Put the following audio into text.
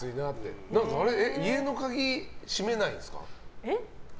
家の鍵、閉めないんですか？